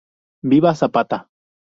Viva Zapata.